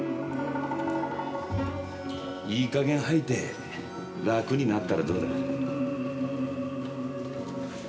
いいかげん吐いて楽になったらどうだ？